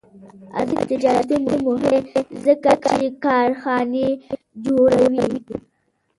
آزاد تجارت مهم دی ځکه چې کارخانې جوړوي.